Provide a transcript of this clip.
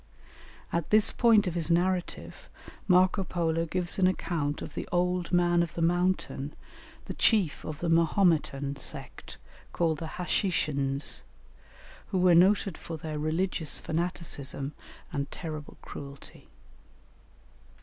At this point of his narrative Marco Polo gives an account of the "Old Man of the Mountain," the chief of the Mahometan sect called the Hashishins, who were noted for their religious fanaticism and terrible cruelty.